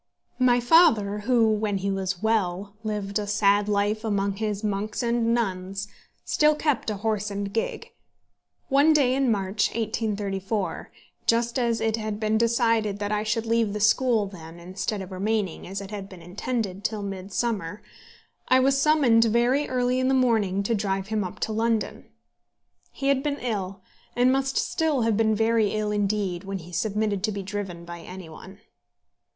My father, who, when he was well, lived a sad life among his monks and nuns, still kept a horse and gig. One day in March, 1834, just as it had been decided that I should leave the school then, instead of remaining, as had been intended, till midsummer, I was summoned very early in the morning, to drive him up to London. He had been ill, and must still have been very ill indeed when he submitted to be driven by any one.